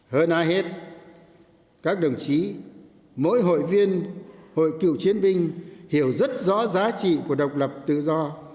hơn ai hết các đồng chí mỗi hội viên hội cựu chiến binh hiểu rất rõ giá trị của độc lập tự do